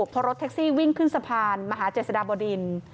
พอรถแท็กซี่วิ่งขึ้นสะพานมหาเจษฎาบดิน